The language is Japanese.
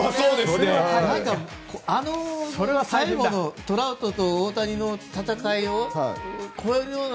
最後のトラウトと大谷の戦いを超えるような